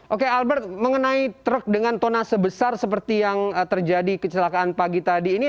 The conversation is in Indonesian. oke albert mengenai truk dengan tona sebesar seperti yang terjadi kecelakaan pagi tadi ini